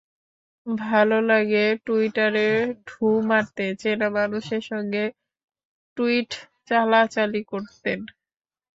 ভালো লাগে টুইটারে ঢুঁ মারতে, চেনা মানুষের সঙ্গে টুইট চালাচালি করতেন।